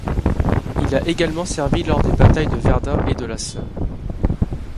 Il a également servi lors des batailles de Verdun et de la Somme.